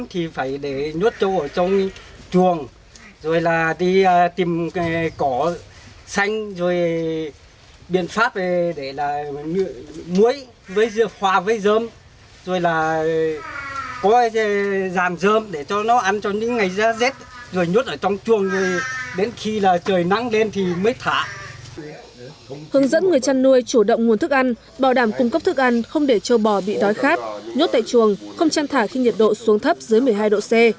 hướng dẫn người chăn nuôi chủ động nguồn thức ăn bảo đảm cung cấp thức ăn không để trầu bò bị đói khát nhốt tại chuồng không chăn thả khi nhiệt độ xuống thấp dưới một mươi hai độ c